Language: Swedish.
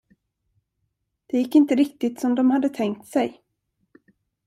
Det gick inte riktigt som de hade tänkt sig.